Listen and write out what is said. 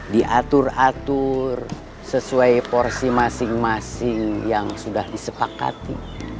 diatur atur sesuai porsi masing masing yang sudah disepakati